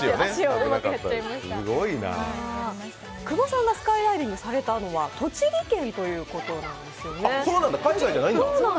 久保さんがスカイダイビングされたのは栃木県ということなんですよね。